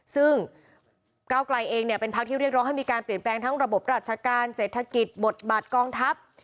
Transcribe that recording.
ซึ่งก้าวไกลเองเนี่ยเป็นพักที่เรียกร้องให้มีการเปลี่ยนแปลงทั้งระบบราชการเศรษฐกิจบทบาทกองทัพ